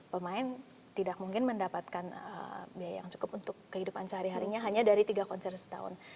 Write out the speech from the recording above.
pemain tidak mungkin mendapatkan biaya yang cukup untuk kehidupan sehari harinya hanya dari tiga konser setahun